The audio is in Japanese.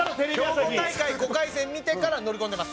兵庫大会５回戦見てから乗り込んでます。